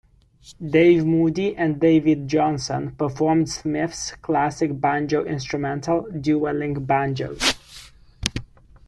Dave Moody and David Johnson performed Smith's classic banjo instrumental, "Dueling Banjos".